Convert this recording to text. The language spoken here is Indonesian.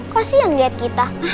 kasihan liat kita